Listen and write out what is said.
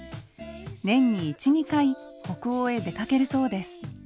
年に１２回北欧へ出かけるそうです。